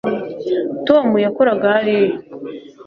tom yakoraga hariya